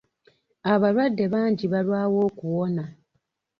Abalwadde bangi balwawo okuwona.